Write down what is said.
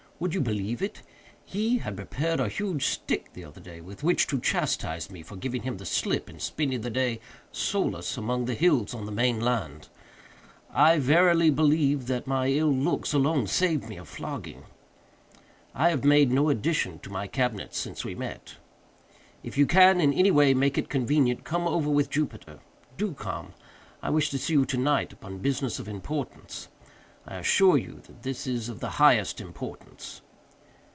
Would you believe it?—he had prepared a huge stick, the other day, with which to chastise me for giving him the slip, and spending the day, solus, among the hills on the main land. I verily believe that my ill looks alone saved me a flogging. "I have made no addition to my cabinet since we met. "If you can, in any way, make it convenient, come over with Jupiter. Do come. I wish to see you to night, upon business of importance. I assure you that it is of the highest importance.